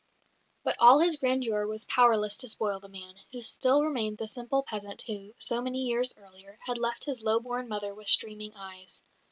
But all his grandeur was powerless to spoil the man, who still remained the simple peasant who, so many years earlier, had left his low born mother with streaming eyes.